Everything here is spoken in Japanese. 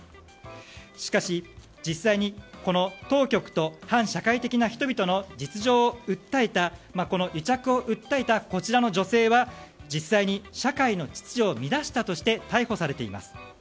しかし、実際にこの当局と反社会的な人々の実情を訴えた癒着を訴えたこちらの女性は実際に社会の秩序を乱したとして逮捕されています。